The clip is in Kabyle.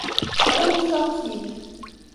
Awimt-aɣ-t-id.